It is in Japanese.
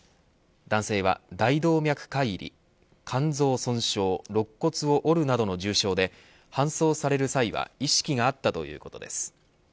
男性は大動脈解離肝臓損傷肋骨を折るなどの重傷で搬送される際は意識があったということです。